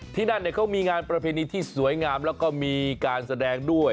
ที่นั่นเขามีงานประเพณีที่สวยงามแล้วก็มีการแสดงด้วย